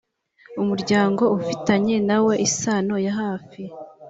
umuryango ufitanye nawe isano ya hafi